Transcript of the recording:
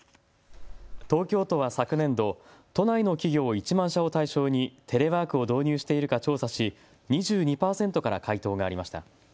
東京都は昨年度、都内の企業１万社を対象にテレワークを導入しているか調査し２２％から回答がありました。